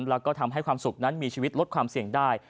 แล้วก็ทำให้ความสุขนั้นมีชีวิตลดความเสี่ยงได้